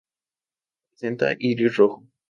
Presenta iris rojo.